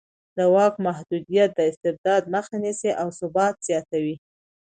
د واک محدودیت د استبداد مخه نیسي او ثبات زیاتوي